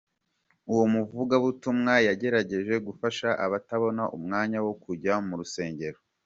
Uwo muvugabutumwa yagerageje gufasha abatabona umwanya wo kujya mu rusengero.